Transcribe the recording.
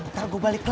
ntar gue balik dulu